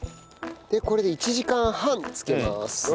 これで１時間半漬けます。